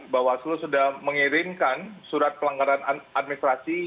bawaslu sudah mengirimkan surat pelanggaran administrasi